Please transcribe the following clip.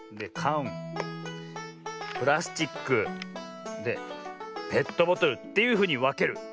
かんプラスチックペットボトルっていうふうにわける。